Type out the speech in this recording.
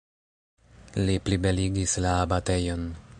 Li plibeligis la abatejon.